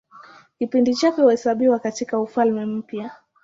Kipindi chake huhesabiwa katIka Ufalme Mpya.